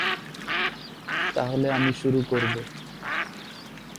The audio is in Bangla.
তাহলে আমি শুরু করবো।